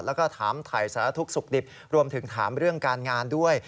แล้วก็ถามถ่ายสารทุกข์สุขดิบรวมถึงถามเรื่องการงานด้วย